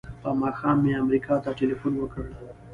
په ماښام مې امریکا ته ټیلفون وکړ.